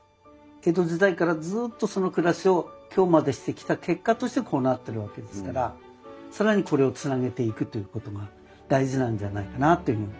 江戸時代からずっとその暮らしを今日までしてきた結果としてこうなってるわけですから更にこれをつなげていくということが大事なんじゃないかなというふうに。